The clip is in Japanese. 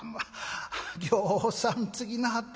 ぎょうさんつぎなはったな。